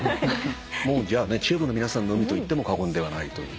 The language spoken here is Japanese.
もうじゃあねＴＵＢＥの皆さんの海と言っても過言ではないという。